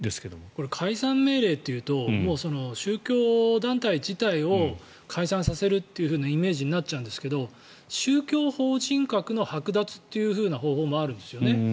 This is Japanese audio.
これ、解散命令というとその宗教団体自体を解散させるというイメージになっちゃうんですけど宗教法人格のはく奪という方法もあるんですよね。